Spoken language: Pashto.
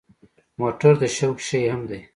موټر د شوق شی هم دی.